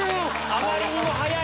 あまりにも早い。